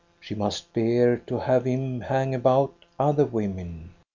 She must bear to have him hang about other women.